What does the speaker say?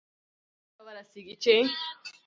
داسي مرحلې ته ورسيږي چي